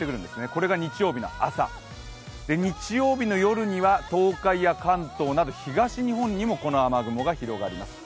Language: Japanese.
これが日曜日の朝、日曜日の夜には東海や関東など東日本にもこの雨雲が広がります。